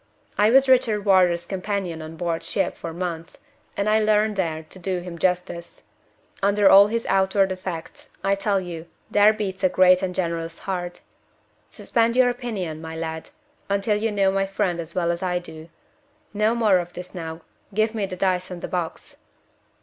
I was Richard Wardour's companion on board ship for months, and I learned there to do him justice. Under all his outward defects, I tell you, there beats a great and generous heart. Suspend your opinion, my lad, until you know my friend as well as I do. No more of this now. Give me the dice and the box."